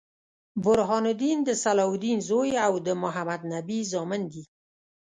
برهان الدين د صلاح الدین زوي او د محمدنبي زامن دي.